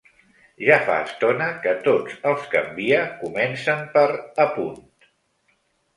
Ja fa estona que tots els que envia comencen per “a punt”.